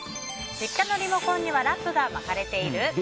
実家のリモコンにはラップが巻かれている？